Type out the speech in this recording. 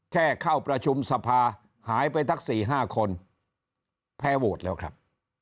เข้าประชุมสภาหายไปทั้ง๔๕คนแพ้โหวตแล้วครับ